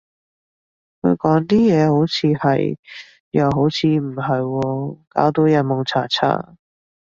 佢講啲嘢，好似係，又好似唔係喎，搞到人矇查查